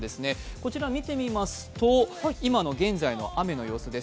こちら見てみますと、現在の雨の様子です。